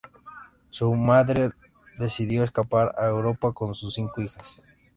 Su madre decidió escapar a Europa con sus cinco hijas.